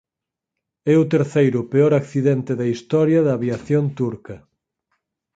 É o terceiro peor accidente da historia da aviación turca.